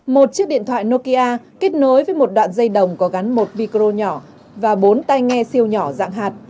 một chiếc điện thoại nokia kết nối với một đoạn dây đồng có gắn một viko nhỏ và bốn tay nghe siêu nhỏ dạng hạt